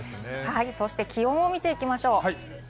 気温を見ていきましょう。